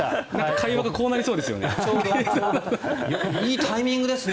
会話がこうなりそうですよね。